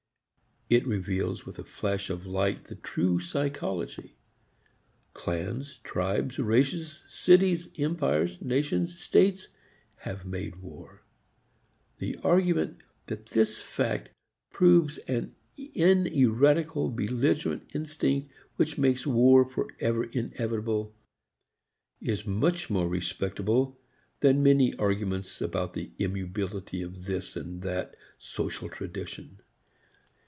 It reveals with a flash of light the true psychology. Clans, tribes, races, cities, empires, nations, states have made war. The argument that this fact proves an ineradicable belligerent instinct which makes war forever inevitable is much more respectable than many arguments about the immutability of this and that social tradition.